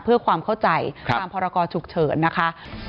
เพื่อความเข้าใจตามพรกรฉุกเฉินนะคะ